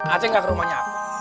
acing gak ke rumahnya